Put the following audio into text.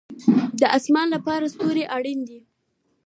د اسمان لپاره ستوري اړین دي